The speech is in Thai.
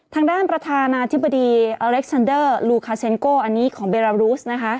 ทางด้านประธานาธิบดีอเล็กซันเดอร์ลูคาเซนโก้อันนี้ของเบรารูสนะคะ